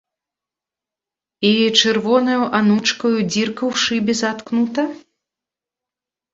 І чырвонаю анучкаю дзірка ў шыбе заткнута?